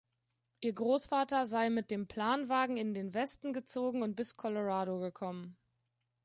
Ihr Großvater sei mit dem Planwagen in den Westen gezogen und bis Colorado gekommen.